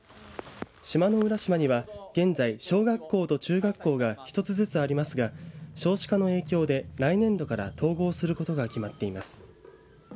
島野浦島には現在、小学校と中学校が１つずつありますが少子化の影響で来年度から統合することが決まっています。